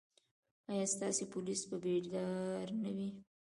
ایا ستاسو پولیس به بیدار نه وي؟